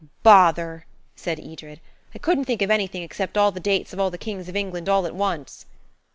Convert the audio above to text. "Bother!" said Edred. "I couldn't think of anything except all the dates of all the kings of England all at once."